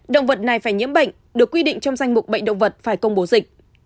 động vật này phải nhiễm bệnh được quy định trong danh mục bệnh động vật phải công bố dịch